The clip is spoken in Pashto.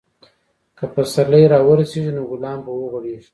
که پسرلی راورسیږي، نو ګلان به وغوړېږي.